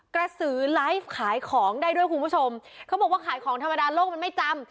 กระสือไลฟ์ขายของได้ด้วยคุณผู้ชมเขาบอกว่าขายของธรรมดาโลกมันไม่จำ